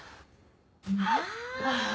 ああ。